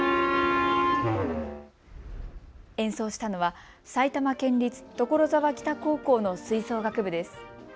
演奏したのは埼玉県立所沢北高校の吹奏楽部です。